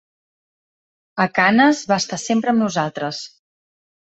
A Cannes va estar sempre amb nosaltres.